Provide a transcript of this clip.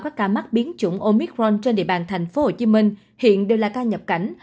các ca mắc biến chủng omitron trên địa bàn tp hcm hiện đều là ca nhập cảnh